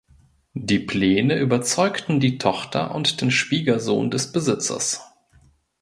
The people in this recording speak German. Die Pläne überzeugten die Tochter und den Schwiegersohn des Besitzers.